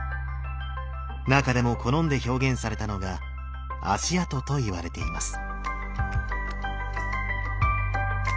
中でも好んで表現されたのが足跡といわれています。